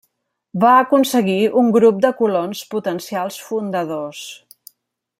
Va aconseguir un grup de colons potencials fundadors.